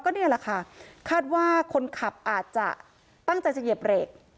นี่แหละค่ะคาดว่าคนขับอาจจะตั้งใจจะเหยียบเบรก